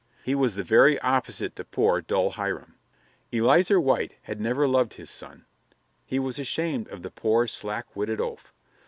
He was the very opposite to poor, dull Hiram. Eleazer White had never loved his son; he was ashamed of the poor, slack witted oaf.